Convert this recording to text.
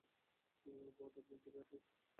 ওহ God আপনি ঠিক আছেন?